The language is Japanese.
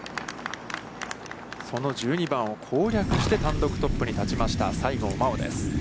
その１２番を攻略して、単独トップに立ちました西郷真央です。